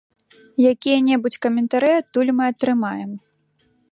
Якія-небудзь каментары адтуль мы атрымаем.